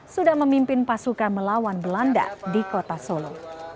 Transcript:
sudah memimpin pasukan melawan belanda di kota solo